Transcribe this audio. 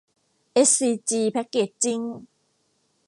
เอสซีจี แพคเกจจิ้ง